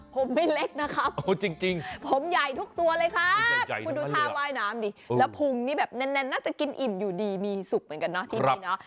ผมไม่เล็กนะครับจริงผมใหญ่ทุกตัวเลยครับคุณดูท่าว่ายน้ำดิแล้วพุงนี่แบบแน่นน่าจะกินอิ่มอยู่ดีมีสุขเหมือนกันเนาะที่นี่เนาะ